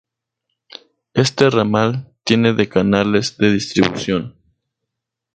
Este ramal tiene de canales de distribución.